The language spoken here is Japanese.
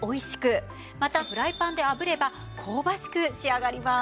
またフライパンで炙れば香ばしく仕上がります。